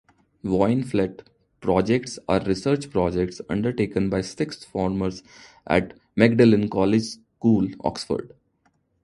Waynflete projects are research projects undertaken by sixth formers at Magdalen College School, Oxford.